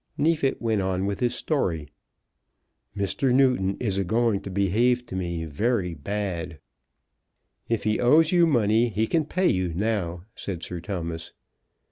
Neefit went on with his story. "Mr. Newton is a going to behave to me very bad." "If he owes you money, he can pay you now," said Sir Thomas.